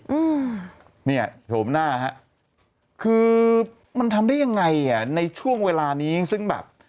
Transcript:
อืมเนี่ยโฉมหน้าฮะคือมันทำได้ยังไงอ่ะในช่วงเวลานี้ซึ่งแบบ